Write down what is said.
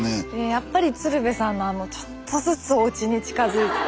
やっぱり鶴瓶さんのちょっとずつおうちに近づいて。